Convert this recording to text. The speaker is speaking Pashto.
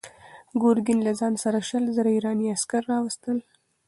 ګورګین له ځان سره شل زره ایراني عسکر راوستل.